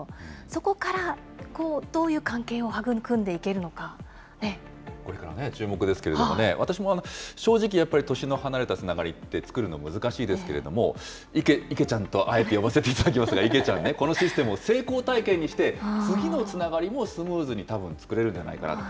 そこからこう、どういう関係を育これからね、注目ですけれどもね、私も正直、やっぱり年の離れたつながりって作るの難しいですけれども、池ちゃんとあえて呼ばせていただきますが、池ちゃんね、このシステムを成功体験にして、次のつながりもスムーズにたぶん作れるんじゃないかなと。